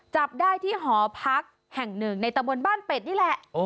จับได้ที่หอพักแห่งหนึ่งในตะบนบ้านเป็ดนี่แหละ